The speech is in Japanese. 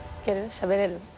しゃべれる？